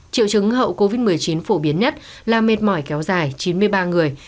triệu chứng hậu covid một mươi chín phổ biến nhất là mệt mỏi kéo dài chín mươi ba người